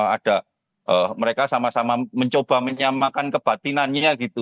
ada mereka sama sama mencoba menyamakan kebatinannya gitu